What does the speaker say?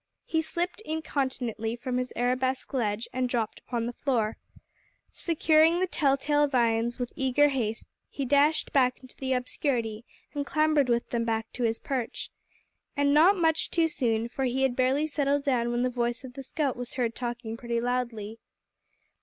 He slipped incontinently from his arabesque ledge and dropped upon the floor. Securing the tell tale viands with eager haste he dashed back into the obscurity and clambered with them back to his perch. And not much too soon, for he had barely settled down when the voice of the scout was heard talking pretty loudly.